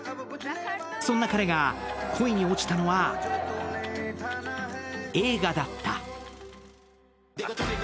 そんな彼が恋に落ちたのは映画だった。